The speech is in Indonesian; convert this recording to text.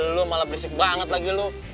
lo malah berisik banget lagi lo